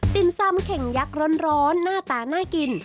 ่มซ่ำเข่งยักษ์ร้อนหน้าตาน่ากิน